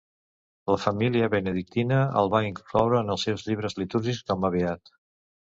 La família benedictina el va incloure en els seus llibres litúrgics com a beat.